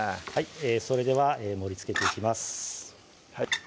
それでは盛りつけていきます